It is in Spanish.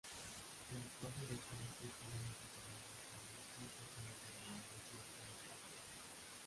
Las fases del proyecto estuvieron conformadas por distintos y determinados grupos de personas.